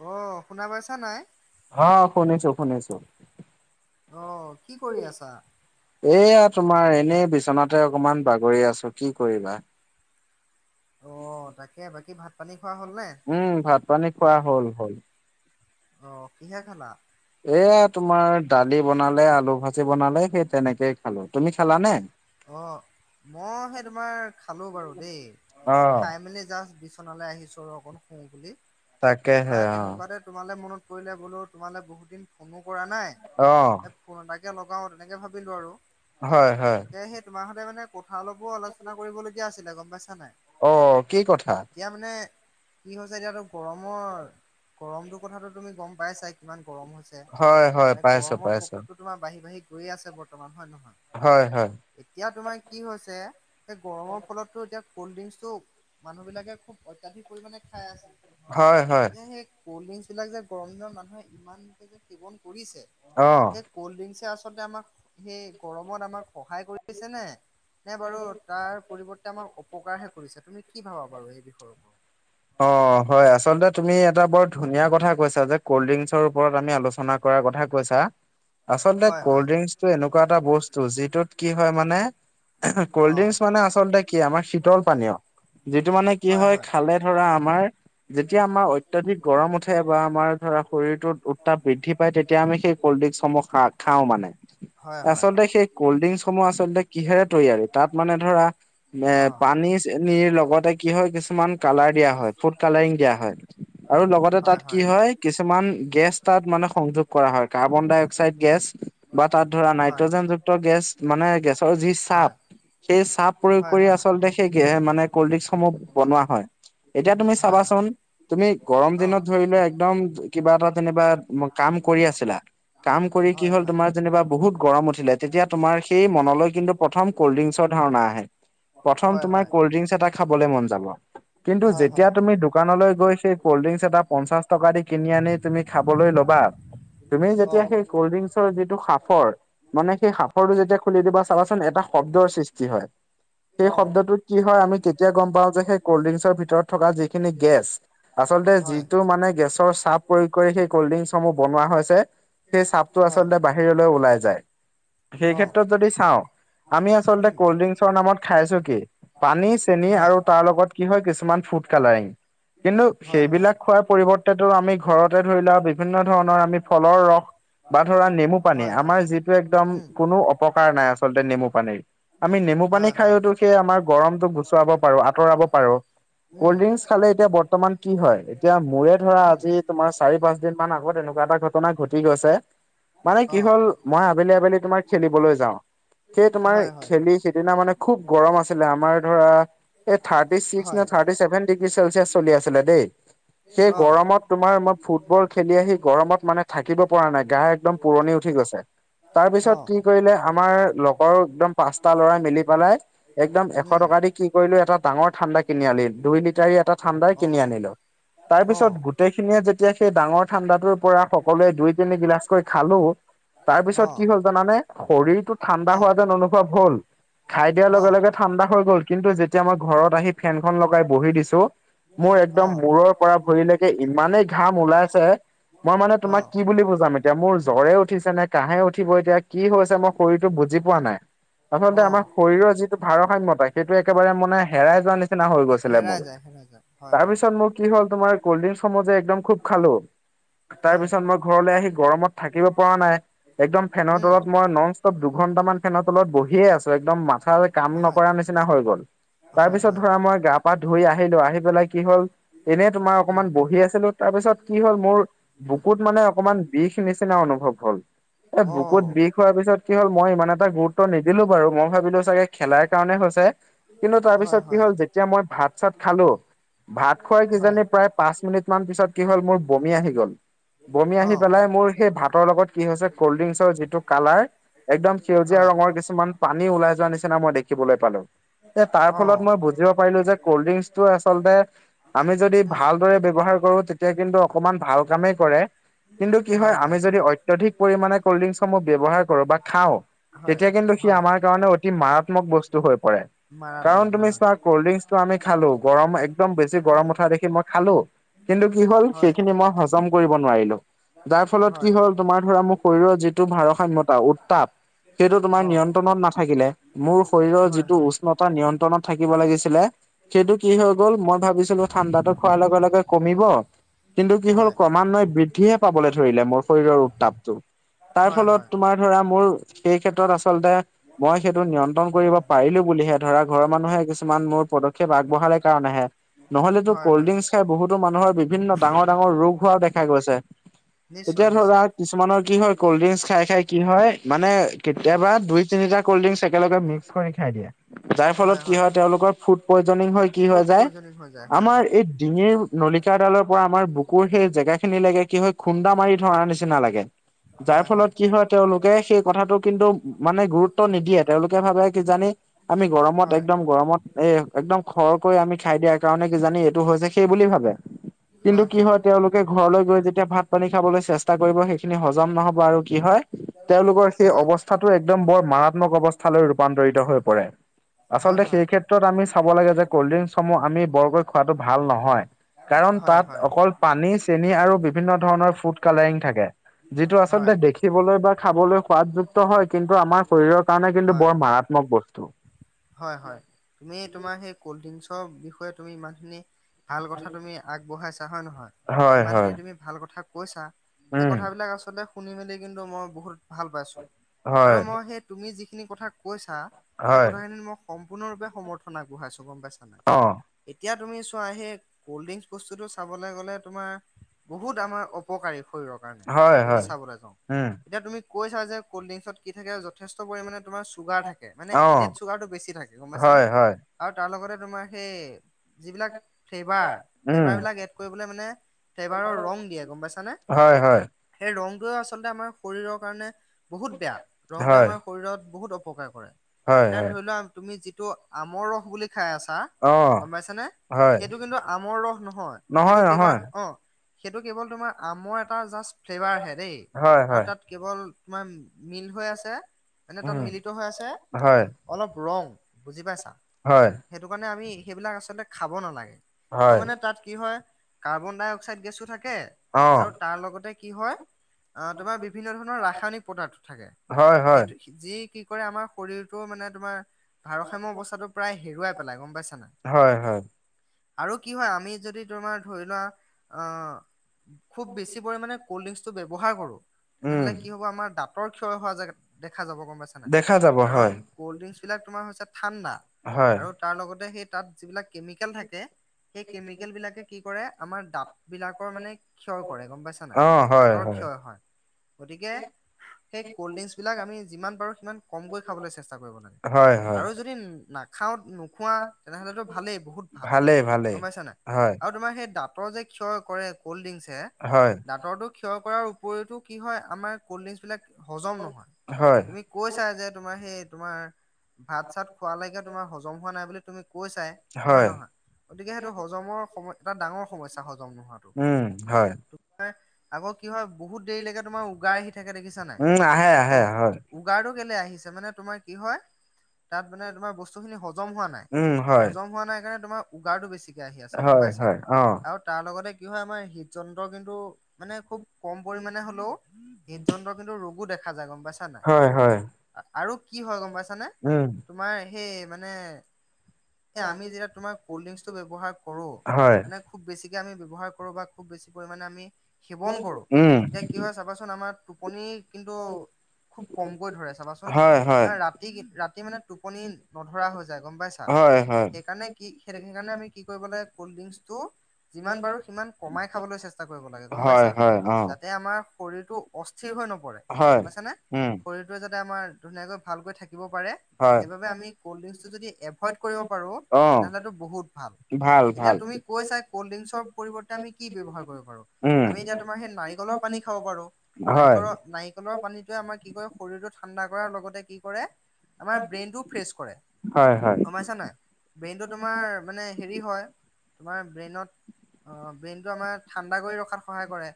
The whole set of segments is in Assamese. অ শুনা পাইছা নাই অ শুনিছো শুনিছো অ' কি কৰি আছা? এয়া তোমাৰ এনেই বিচনাত তে অকমান বাগৰি আছো কি কৰিবা অ তাকে বাকী ভাত পানী খোৱা হ'লনে উম ভাত পানী খোৱা হল হল অ কিহে খালা এয়া তোমাৰ দালি বনালে আলু ভাজি বনালে সেই তেনেকেই খালো তুমি খালা নাই অ মই সেই তোমাৰ খালো বাৰু দেই অ খাই মেলি জাষ্ট বিচনালে আহিছো আৰু অকন শুও বুলি তাৰপৰা তাকেহে অ তেনেকুৱাতে তোমালে মনত পৰিলে বোলো তোমালৈ বহুত দিন ফোনো কৰা নাই অ ফোন এটাকে লগাও তেনেকে ভাবিলো আৰু হয় হয় তাকে সেই তোমাৰ সৈতে মানে কথা অলপো আলোচনা কৰিবলগীয়া আছিলে গম পাইছা নাই অ কি কথা এতিয়া মানে কি হৈছে এতিয়াতো গৰমৰ গৰমটোৰ কথাটো তুমি গম পাইছাই কিমান গৰম হয় হয় হৈছে পাইছো গৰমৰ পাইছো প্ৰকোপটো তোমাৰ বাঢ়ি বাঢ়ি গৈয়ে আছে বৰ্তমান হয় নহয় হয় হয় এতিয়া তোমাৰ কি হৈছে এই গৰমৰ ফলততো এতিয়া ক'ল্ড ড্ৰিংকচটো মানুহবিলাকে খুব অত্যাধিক পৰিমাণে খাই আছে হয় হয় যে সেই কল্ড ড্ৰিংকছ বিলাক যে গৰম দিনত মানুহে ইমানকে যে সেৱন কৰিছে অ সেই কল্ড ড্ৰিংচে আচলতে আমাক সেই গৰমত আমাক সহায় কৰিছেনে নে বাৰু তাৰ পৰিৱৰ্তে আমাক অপকাৰহে কৰিছে তুমি কি ভাবা বাৰু এই বিষয়ৰ ওপৰত অ হয় আচলতে তুমি এটা বৰ ধুনীয়া কথা কৈছা যে ক'ল্ড ড্ৰিংকচৰ ওপৰত আমি আলোচনা আলোচনা কৰাৰ কথা কৈছা আচলতে হয় কল্ড হয় ড্ৰিংকচটো এনেকুৱা এটা বস্তু যিটোত কি হয় মানে কল্ড অ ড্ৰিংকচ মানে আচলতে কি আমাৰ শীতল পানীয় যিটো মানে কি হয় খালে ধৰা আমাৰ যেতিয়া আমাৰ অত্যাধিক গৰম উঠে বা আমাৰ ধৰা শৰীৰটোত উত্তাপ বৃদ্ধি পাই তেতিয়া আমি সেই কল্ডডিংচ সমূহ খাওঁ মানে হয় হয় আচলতে সেই কল্ড ড্ৰিংচসমূহ আচলতে কিহেৰে তৈয়াৰী তাত মানে ধৰা এ অ পানী চানিৰ লগতে কি হয় কিছুমান কালাৰ দিয়া হয় ফুড কালাৰিং দিয়া হয় আৰু লগতে তাত কি হয় কিছুমান গেছ তাত মানে সংযোগ কৰা হয়। কাৰ্বন ডাই অক্সাইড গেছ, বা তাত ধৰা হয় নাইট্ৰজেন যুক্ত গেছ, মানে গেছৰ যি চাপ, হয় সেই চাহ প্ৰয়োগ হয় কৰি হয় আচলতে সেই গে মানে কল্ড ড্ৰিংকসমূহ বনোৱা হয়। এতিয়া তুমি হয় হয় চাবাচোন তুমি গৰম অ দিনত ধৰি লোৱা একদম কিবা এটা তেনিবা কাম কৰি আছিলা কাম কৰি কি হয় হ'ল হয় তোমাৰ যেনিবা বহুত গৰম উঠিলে তেতিয়া তোমাৰ সেই মনলৈ কিন্তু প্ৰথম কল্ড ড্ৰিংকছৰ ধাৰণা আহে। প্ৰথম হয় তুমাৰ হয় কল্ড ড্ৰিংকছ এটা খাবলে মন যাব। কিন্তু হয় হয় যেতিয়া তুমি দোকানলৈ গৈ সেই কল্ড ড্ৰিংকছ এটা পঞ্চাশ টকা দি কিনি আনি তুমি খাবলৈ ল'বা, তুমি অ। যেতিয়া সেই ক'ল্ড ড্ৰিংকচৰ যিটো সাফৰ মানে সেই সাঁফৰটো যেতিয়া খুলি দিবা চাবাচোন এটা শব্দৰ সৃষ্টি হয়। সেই অ শব্দটোত কি হয়, আমি কেতিয়া গম পাওঁ যে সেই কল্ড ড্ৰিংকছৰ ভিতৰত থকা যিখিনি গেছ আচলতে হয় যিটো মানে গেছৰ চাপ প্ৰয়োগ কৰি সেই কল্ড ড্ৰিংকচসমূহ বনোৱা হৈছে সেই চাপটো হয় আচলতে বাহিৰলৈ ওলাই যায়। সেই অ ক্ষেত্ৰত যদি চাওঁ, আমি আচলতে উম কল্ড ড্ৰিংকছৰ নামত খাইছো কি? পানী চেনি হয় আৰু তাৰ লগত কি হয় কিছুমান ফুড কালাৰিং। কিন্তু হয় হয় সেইবিলাক খোৱাৰ পৰিৱৰ্তটো আমি ঘৰতে ধৰি লোৱা বিভিন্ন ধৰণৰ আমি ফলৰ ৰস বা ধৰা নেমু পানী, হয় হয় আমাৰ যিটো একদম উম কোনো অপকাৰ নাই আচলতে নেমু পানীৰ। আমি নেমু হয় পানী হয় খাইওতো সেই আমাৰ গৰমতো গুচুৱাব পাৰো, আঁতৰাব পাৰো। উম কল্ড ড্ৰিংকচ খালে এতিয়া বৰ্তমান কি হয়? এতিয়া মোৰে ধৰা উম আজি তোমাৰ চাৰি পাঁচ দিন মান আগত এনেকুৱা এটা ঘ ঘটনা ঘটি গৈছে, মানে কি অ হ'ল মই আবেলি আবেলি তোমাৰ খেলিবলৈ যাওঁ সেই তোমাৰ হয় হয় খেলি সিদিনা মানে খুব গৰম আছিলে আমাৰ ধৰা এই থাৰ্টি চিক্স হয় থাৰ্টি চছেভেন ডিগ্ৰী চেলচিয়াছ চলি আছিলে দেই। সেই অ গৰমত তোমাৰ মই ফুটবল খেলি আহি গৰমত মানে থাকিব পৰা নাই গা একদম পুৰণি উঠি গৈছে। তাৰ অ। পিছত কি কৰিলে আমাৰ লগৰ একদম পাঁচটা ল'ৰাই মিলি পেলাই একদম এশ উম টকা দি কি কৰিলো এটা ডাঙৰ ঠাণ্ডা কিনি আনিল দুই লিটাৰি এটা ঠাণ্ডা অ কিনি আনিলো। তাৰ অ পিছত গোটেইখিনিয়ে যেতিয়া সেই ডাঙৰ ঠাণ্ডাটোৰ পৰা সকলোৱে দুই তিনি গিলাচকৈ খালো, তাৰ অ পিছত কি হ'ল জানানে? শৰীৰটো ঠাণ্ডা হোৱা অ যেন অনুভৱ হ'ল। খাই দিয়াৰ অ অ লগে লগে ঠাণ্ডা হৈ গ'ল, কিন্তু যেতিয়া মই ঘৰত আহি ফেনখন লগাই বহি দিছো মোৰ একদম মূৰৰ পৰা ভৰিলৈকে ইমানেই ঘাম ওলাইছে মই মানে অ তোমাক কি বুলি বুজাম এতিয়া? মোৰ জ্বৰে উঠিছে নে কহে উঠিব এতিয়া কি হৈছে মোক শৰীৰটো বুজি পোৱা নাই। আচলতে অ আমাৰ শৰীৰৰ যিটো ভাৰসাম্যতা সেইটো একেবাৰে মানে হেৰাই যোৱা নিচিনা হৈ গৈছিলে হেৰাই মোৰ। যায় হেৰাই যায় হয় তাৰ হয় পিছত মোৰ কি হ'ল তোমাৰ কল্ড ড্ৰিংক সমূহ যে একদম খুব খালো তাৰ হয় পিছত মই ঘৰলৈ আহি গৰমত থাকিব পৰা নাই, একদম ফেনৰ উম তলত মই নন ষ্টপ দুঘন্টাম মানেনৰ তলত বহিয়ে আছো, একদম ম কাম হয় নকৰৰা নিচিনা হৈ গ'ল। তাৰ হয় পিছত হয় ধৰা মই গা-পা ধুই আহিলো আহি পেলাই কি হ'ল, এনেই তোমাৰ উম অকনমান বহি আছিলো তাৰপিছত কি হ'ল মোৰ উম বুকুত মানে অকমান বিষ নিচিনা অনুভৱ হ'ল। এ অ বুকুত বিষ হোৱাৰ পিছত কি হ'ল, মই ইমান এটা গুৰুত্ব নিদিলো বাৰু, মই ভাবিলো চাগে খেলাৰ কাৰণে হৈছে, কিন্তু তাৰ হয় পিছত হয়। কি হ'ল যেতিয়া মই ভাত চাত খালো ভাত খোৱাই হয় কিজানি প্ৰায় পাঁচ মিনিট মান পিছত কি হ'ল মোৰ বমি আহি গল বমি আহি অঁ পেলাই মোৰ সেই ভাতৰ লগত কি হৈছে কল্ড ড্ৰিংকচৰ যিটো কালাৰ একদম সেউজীয়া হয় ৰঙৰ কিছুমান পানী ওলাই যোৱা নিচিনা মই দেখিবলৈ পালো তাৰ ফলত অঁ মই বুজিব পাৰিলো যে কল্ড ড্ৰিংকছটো আচলতে আমি যদি উম ভালদৰে ব্যৱহাৰ কৰো তেতিয়া কিন্তু অকমান ভাল কামেই কৰে। কিন্তু কি হয় আমি হয়। যদি অত্যাধিক পৰিমাে কল্ড ড্ৰিংকসমূহ ব্যৱহাৰ কৰো বা খাওঁ। হয় তেতিয়া কিন্তু সি হয় আমাৰ কাৰণে অতি মাৰাত্মক বস্তু হৈ পৰে। মৰাম কাৰণ তুমি চোৱা কল্ড ড্ৰিং আমি খালো গৰম একদম বেছি উম গৰম উঠা দেখি মই খালো। কিন্তু কি হল সেইখিনি মই হজম কৰিব নোৱাৰিলো। যাৰ ব ফলত কি হ'ল তোমাৰ ধৰা মোৰ শৰীৰৰ যিটো ভাৰসাম্য়তা উত্তাপ সেইটো তোমাৰ অঁ নিয়ন্ত্ৰণত নাথাকিলে মোৰ শৰীৰৰ হয় যিটো হয় উষ্ণতা নিয়ন্ত্ৰণত- থাকিব লাগিছিলে সেইটো কি হৈ গ'ল মই ভাবিছিলো ঠাণ্ডা, খোৱাৰ লগে লগে কমিব। কিন্তু কি হল হয় ক্ৰমান্বয়ে বৃদ্ধিহে পাবলৈ ধৰিলে মোৰ শৰীৰৰ উত্তাপটো। তাৰ হয় ফলত হয় তোমাৰ ধৰা মোৰ সেই ক্ষেত্ৰত আচলতে মই সেইটো নিয়ন্ত্ৰণ কৰিব উম পাৰিলো বুলিহে ধৰা ঘৰৰ মানুহে কিছুমান মোৰ পদক্ষেপ আগবঢ়াৰ কাৰণেহে নহলেতো হয় কল্ড হয় ড্ৰংকচ খাই বহুতো মানুহৰ বিভিন্ন ডাঙৰ ডাঙৰ ৰোগ হোৱা দেখা গৈছে। নিশ্চয় এতিয়া ধৰা নিশ্চয় কিছুমানৰ কি হয় ক'ল্ড ড্ৰিংকছ খাই খাই কি হয় মানে উম কেতিয়াবা দুই তিনিটা কল্ড ড্ৰিংকছ একেলগে মিক্স খাই দিয়ে যাৰ ফলত কি হয় তেওঁলোকৰ ফুড পইজনিং হয় কি হয় ফুড যায় পয়জনিং হৈ যায় হয় আমাৰ হয় এই ডিঙিৰ নলিকাডালৰ পৰা আমাৰ বুকুৰ সেই জেগাখিনি লকে কি হয় খুন্দা মাৰি ধৰাৰ নিচিনা লাগে। যাৰ ফলত কি হয় তেওঁলোকে সেই কথাটো কিন্তু মানে গুৰুত্ব নিদিয়ে তেওঁলোকে ভাবে কিজানি আমি হয় গৰমত একদম গৰমত, এই একদম খৰকৈ আমি খাই দিয়া কাৰণে কিজানি এইটো হৈছে সেই বুলি ভাবে। কিন্তু হয় কি হয়। তেওঁলোকে ঘৰলৈ গৈ যেতিয়া ভাত পানী খাবলৈ চেষ্টা কৰিব সেইখিনি হজম নহ'ব আৰু কি হয়। তেওঁলোকৰ সেই হয় অৱস্থাটো একদম বৰ মাৰাত্মক অৱস্থালৈ ৰূপান্তৰিত হৈ পৰে। হয় হয় হয় আচলতে সেই ক্ষেত্ৰত আমি চাব লাগে যে কল্ড ড্ৰিংকসমূহ আমি বৰকৈ খোৱাটো ভাল নহয়। কাৰণ হয় তাত হয় অকল পানী চেনি আৰু বিভিন্ন ধৰণৰ ফুড কালাৰিং থাকে যিটো হয় আচলতে দেখিবলৈ বা খাবলৈ সোৱাদযুক্ত হয় কিন্তু আমাৰ শৰীৰৰ কাৰণে কিন্তু হয় বৰ মাৰাত ম বস্তু হয় হয় তুমি তোমাৰ সেই ক'ল্ড ড্ৰিংকচৰ বিষয়ে তুমি ইমানখিনি ভাল কথা তুমি আগবঢ়াইছা হয় নহয় হয় হয় ইমানখিনি তুমি ভাল কথা কৈছা। সেই উম কথাবিলাক আচলতে শুনি মেলি কিন্তু মই বহুত ভাল পাইছো। আৰু হয় মই সেই তুমি যিখিনি কথা কৈছা। সেই হয় কথাখিনিত মই সম্পূৰ্ণৰূপে সমৰ্থন আগবঢ়াইছোঁ গম পাইছানাই। অ এতিয়া তুমি চোৱা সেই কল্ড ড্ৰিংকচ বস্তুটো চাবলৈ গ'লে তোমাৰ বহুত আমাৰ অপকাৰী শৰীৰৰ কাৰণে হয় যদি হয় চাবলৈ যাওঁ উম এতিয়া তুমি কৈছা যে ক'ল্ড ড্ৰিংকছত কি থাকে যথেষ্ট পৰিমাণে তোমাৰ ছুগাৰ থাকে- মানে অ এডেড চুগাৰটো বেছি থাকে গম পাইছানে হয় হয় আৰু তাৰ লগতে তোমাৰ সেই যিবিলাক ফ্লেভাৰ উম বিলাক এড কৰিব মানে ফ্লেভাৰৰ ৰং দিয়ে গম পাইছানে। হয় হয় সেই ৰং তোৱে আচলতে আমাৰ শৰীৰৰ কাৰণে বহুত বেয়া ৰংটোৱে হয় আমাৰ শৰীৰত বহুত অপকাৰ কৰে হয় এতিয়া হয় ধৰি লোৱা তুমি যিটো আমৰ ৰস বুলি খাই আছা, অ গম পাইছ নে হয় সেইটো কিন্তু আমৰ ৰস নহয় সেইটো কিবা অ সেইটো কেৱল তোমাৰ আমৰ এটা জাষ্ট ফ্লেভাৰ হে দেই হয় আৰু হয় তাত কেৱল তোমাৰ মিল হৈ আছে। এনেই তাত উম মিলিত হৈ আছে হয় অলপ ৰং বুজি পাইছা। হয় সেইটো কাৰণে আমি সেইবিলাক আচলতে খাব নালাগে আৰু তাৰ হয় মানে তাত কি হয় কাৰ্বন ডাই অক্সাইড গেছো থাকে অ আৰু তাৰ লগতে কি হয় আ তোমাৰ বিভিন্ন ধৰণৰ ৰাসায়নিক পদাৰ্থ থাকে। হয় হয়। সেইটো যি কি কৰে আমাৰ শৰীৰটো মানে তোমাৰ ভাৰসাম্য অৱস্থাটো প্ৰায় হেৰুৱাই পেলাই গম পাইছা নাই। হয় হয় আৰু কি হয় আমি যদি তোমাৰ ধৰি লোৱা অ খুব বেছি পৰিমাণে ক'ল্ড ড্ৰিংকচটো ব্যৱহাৰ কৰোঁ উম তেনেহ'লে কি হ'ব আমাৰ দাঁতৰ ক্ষয় হোৱা দেখা যাব গম পাইছা নাই। দেখা যাব কাৰণ হয় ক'ল্ড ড্ৰিংকছ বিলাক তোমাৰ হৈছে ঠাণ্ডা হয় আৰু তাৰ লগতে সেই তাত যিবিলাক কেমিকেল থাকে সেই কেমিকেল বিলাকে কি কৰে আমাৰ দাঁত- বিলাকৰ মানে ক্ষয় কৰে গম পাইছা নাই অ হয় দাঁতৰ ক্ষয় হয়। গতিকে সেই ক'ল্ড ড্ৰিংকচবিলাক আমি যিমান পাৰোঁ সিমান কম কৈ খাবলৈ চেষ্টা কৰিব লাগে হয় হয় আৰু যদি নাখাও নো- খোৱা তেনেহ'লেতো ভালেই বহুত ভাল ভালেই ভালেই গম পাইছা নাই হয় আৰু তোমাৰ সেই দাঁ- তৰ যে ক্ষয় কৰে কল্ড ড্ৰিংকছে হয় দাঁতৰটো ক্ষয় কৰাৰ উপৰিতো কি হয় আমাৰ কল্ড ড্ৰিংকছ বিলাক হজম নহয় হয় তুমি কৈ- চা যে তোমাৰ সেই তোমাৰ ভাত চাত খোৱালৈকে তোমাৰ হজম হোৱা নাই বুলি তুমি কৈ চাই হয় নহয় গতিকে সেইটো হজমৰ সময় এটা ডাঙৰ সমস্যা হজম নোহোৱাতো। উম হয়। আকৌ কি হয় বহুত দেৰিলৈকে তোমাৰ উগাই আহি থাকে দেখিছা নাই উম আহে অ আহে হয় উগাৰটো কেলে আহিছে মানে তোমাৰ কি হয় তাত মানে তোমাৰ বস্তুখিনি হজম হোৱা নাই। উম হয় হজম হোৱা নাই কাৰণে তোমাৰ উগাৰটো বেছিকে আহি আছে গম হয় পাইছা হয় অ আৰু তাৰ লগতে কি হয় আমাৰ হৃদ যন্ত্ৰৰ কিন্তু মানে খুব কম পৰিমাণে হ'লেও হৃদযন্ত্ৰৰ কিন্তু ৰোগো দেখা যায় গম পাইছা নাই হয় হয় আৰু কি হয় গম পাইছানে উম তোমাৰ সেই মানে এ আমি যেতিয়া তুমাৰ কল্ড ড্ৰিংকচ টো ব্যৱহাৰ কৰো হয় মানে খুব বেছিকৈ আমি ব্যৱহাৰ কৰোঁ বা খুব বেছি পৰিমাণে আমি সেৱন কৰোঁ উম এতিয়া কি হয় চাবাচোন আমাৰ টোপনি কিন্তু খুব কমকৈ ধৰে চোন হয় হয় এ ৰাতি কি ৰাতি মানে টোপনি নধৰা হৈ যায় গম পাইছা হয় হয় সেইকাৰণে কি সেটেখিনি কাৰণে আমি কি কৰিব লাগে ক'ল্ড ড্ৰিংকচ টো যিমান পাৰোঁ সিমান কমাই খাবলৈ চেষ্টা- চেষ্টা কৰিব লাগে গম হয় পাইছা হয় অ যাতে আমাৰ শৰীৰটো অস্থিৰ হৈ নপৰে গম হয় পাইছানে উম শৰীৰটো যাতে আমাৰ ধুনীয়াকৈ ভালকৈ থাকিব পাৰে, হয় সেইবাবে আমি কল্ড ড্ৰিংকচটো যদি এভইড কৰিব পাৰো অ তেনেহ'লেটো বহুত ভাল। এতিয়া তুমি কৈ চাই কল্ড ড্ৰিংকছৰ পৰিৱৰ্তে আমি কি ব্যৱহাৰ কৰিব পাৰো। উম আমি এতিয়া তোমাৰ সেই নাৰিকলৰ পানী খাব পাৰো হয় নাৰিকলৰ নাৰি- কলৰ পানীটোৱে আমাৰ কি কৰে শৰীৰটো ঠাণ্ডা কৰাৰ লগতে কি কৰে আমাৰ ব্ৰেইনটো ফ্ৰেছ কৰে হয় হয় গমপাইছা নে নাই ব্ৰেইনটো তোমাৰ মানে হেৰি হয় তোমাৰ ব্ৰেইনত অঁশ ব্ৰেইনটো আমাৰ ঠাণ্ডা কৰি ৰখাত সহায় কৰে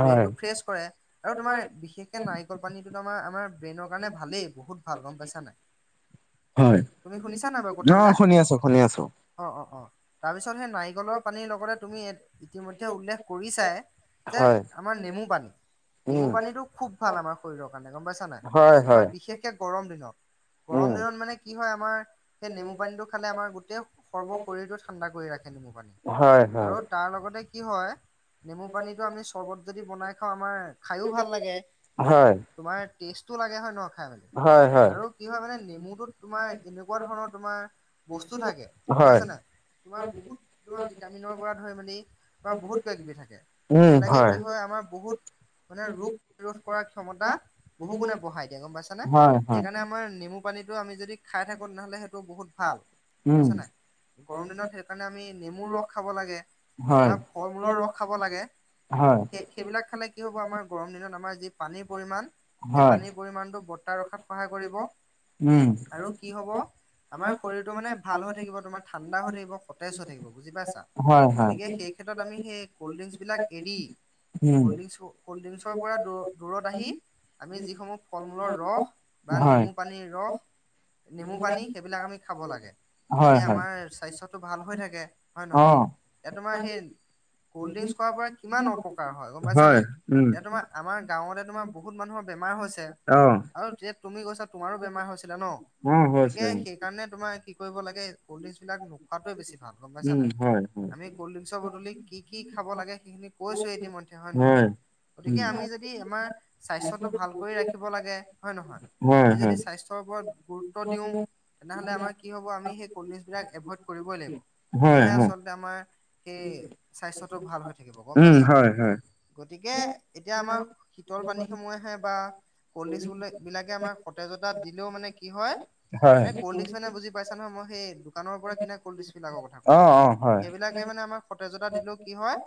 হয় ব্ৰেইনটো ফ্ৰেছ কৰে আৰু তোমাৰ বিশেষকে নাৰিকল পানীটোত আমাৰ আমাৰ ব্ৰেইনৰ কাৰণে ভালেই বহুত ভাল গম পাইছা নাই হয় তুমি শুনিছা নাই বাৰু অ কথাবিলাক শুনি আছো শুনি আছো অ অ অ তাৰপিছত সেই নাৰিকলৰ পানীৰ লগতে তুমি ইতিমধ্যে উল্লেখ কৰি চাই যে হয় আমাৰ নেমু পানী, নেমু উম পানীটো খুব ভাল আমাৰ শৰীৰৰ কাৰণে গম পাইছা নাই হয় তোমাৰ হয় বিশেষ কে গৰম দিনত গৰম উম দিনত মানে কি হয় আমাৰ সেই নেমু পানীটো খালে আমাৰ গোটেই সৰ্ব শৰীৰটো ঠাণ্ডা কৰি ৰাখে নেমু পানী হয় আৰু হয় তাৰ লগতে কি হয় নেমু পানীটো আমি চৰ্বত যদি বনাই খাওঁ আমাৰ খায়ো ভাল লাগে হয় তোমাৰ টেষ্ট টো লাগে হয় নহয় খাই মেলি হয় হয় আৰু কি হয় মানে নেমুটোত তোমাৰ এনেকুৱা ধৰণৰ তোমাৰ বস্তু থাকে গম হয় পাইছা নাই তোমাৰ বহুত তোমাৰ ভিটামিনৰ পৰা ধৰি মেলি ধৰা বহুত কিবা কিবি থাকে। এইবিলাকে কি হয় আমাৰ বহুত মানে ৰোগ ৰোধ কৰাৰ ক্ষমতা বহু গুণে বহাই দিয়ে গম পাইছা নে হয় সেই হয় কাৰণে আমাৰ নেমু পানীটো আমি যদি খাই থাকো তেনে নহ'লে সেইটো বহুত ভাল গম উম পাইছা নাই গৰম দিনত সেইকাৰণে আমি নেমুৰ ৰস খাব লাগে হয় বা ফল মূলৰ ৰস খাব লাগে হয় সেই সেইবিলাক খালে কি হ'ব আমাৰ গৰম দিনত আমাৰ যি পানীৰ পৰিমাণ সেই হয় পানীৰ পৰিমাণটো বৰ্তাই ৰখাত সহায় কৰিব উম আৰু কি হ'ব আমাৰ শৰীৰটো মানে ভাল হৈ থাকিব তোমাৰ ঠাণ্ডা হৈ থাকিব সতেজ হৈ থাকিব বুজি পাইছা হয় হয় গতিকে সেই ক্ষেত্ৰত আমি সেই কল্ড ড্ৰিংকচ বিলাক এৰি উম কল্ড ড্ৰিংকচ ক'ল্ড ড্ৰিংকছৰ পৰা দূৰত আহি আমি যি সমূহ ফল মূলৰ ৰস বা হয় নেমু পানীৰ ৰস নেমু পানী সেইবিলাক আমি খাব লাগে যাতে হয় হয় আমাৰ স্বাস্থ্যটো ভাল হৈ থাকে হয় অ নহয় এতিয়া তোমাৰ সেই কল্ড ড্ৰিংকছ খোৱাৰ পৰা কিমান অপকাৰ হয় গম পাইছা নাই এতিয়া তোমাৰ আমাৰ গাঁৱতে তোমাৰ বহুত মানুহৰ বেমাৰ হৈছে অ আৰু এতিয়া তুমি গৈছা তোমাৰো বেমাৰ হৈছিলে ন অ গতিকে হৈছে সেইকাৰণে তোমাৰ কি কৰিব লাগে কল্ড ড্ৰিংকছবিলাক নোখোৱাটোৱে বেছি ভাল গম পাইছা উম নাই হয় হয় আমি কল্ড ড্ৰিংকছৰ বদলি কি কি খাব লাগে সেইখিনি কৈছো গতিম ধ্যে হয় নহয় গতিকে উম আমি যদি আমাৰ স্বাস্থ্যটো ভাল কৰি ৰাখিব লাগে হয় নহয় হয় আমি হয় যদি স্বাস্থ্যৰ ওপৰত গুৰুত্ব দিওঁ তেনেহলে আমাৰ কি হব আমি সেই কল্ড ড্ৰিচ বিলাক এভইড কৰিবই লাগিব হয় তেতিয়াহে হয় আচল লতে আমাৰ সেই স্বাস্থ্যটো ভাল হৈ থাকিব গম উম পাইছা হয় হয় গতিকে এতিয়া আমাৰ শীতল পানীসমূহে আহে বা কল্ড ড্ৰিংকছ চলদিঙ বিলাকে আমাৰ সতেজতা দিলেও মানে কি হয় হয় এনে কল্ড্ৰিংকছ মানে বুজি পাইছা নহয় মই সেই দোকানৰ পৰা কিনা কলিদিচ বিলাকৰ কথা অ কৈছো অ হয় সেইবিলাকে মানে আমাৰ সতেজতা দিলেও কি হয়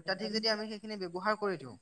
অত্যাধিক যদি আমি সেইখিনি ব্যৱহাৰ কৰি দিওঁ